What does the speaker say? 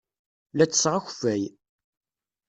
La ttesseɣ akeffay.